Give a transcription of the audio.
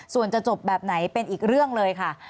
ส่วนจะจบแบบไหนเป็นอีกเรื่องเลยค่ะ